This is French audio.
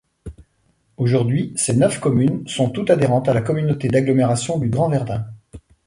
Aujourd'hui, ces neuf communes sont toutes adhérentes à la Communauté d'agglomération du Grand Verdun.